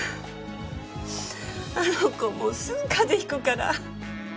あの子もうすぐ風邪引くから。